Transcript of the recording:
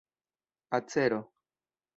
acero